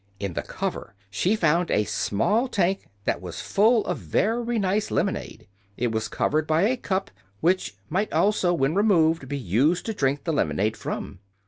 In the cover she found a small tank that was full of very nice lemonade. It was covered by a cup, which might also, when removed, be used to drink the lemonade from.